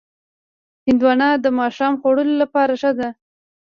هندوانه د ماښام خوړلو لپاره ښه ده.